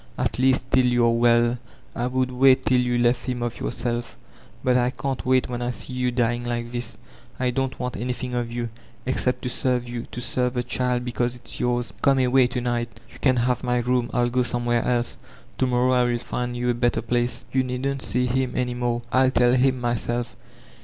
At least till you are welL I would wait till you left him of yourself, but I can't wait when I you dying like this. I don't want anything of you. Turn Hbast or Angioliujo 429 cept to serve you, to serve the child because it's yours. Come awayi to night You can have my room; 1*11 go somewhere dse. To morrow 111 find you a better place. You needn't see him any more. Til tell him myself.